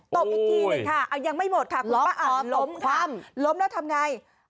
ตบอีกทีเลยค่ะยังไม่หมดค่ะคุณป้าอายุล้มแล้วทำไง